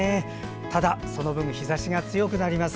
ただ、その分日ざしが強くなります。